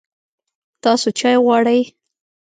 تاسو چای غواړئ؟